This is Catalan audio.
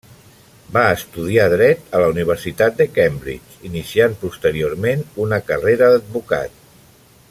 Va estudiar dret a la Universitat de Cambridge, iniciant posteriorment una carrera d'advocat.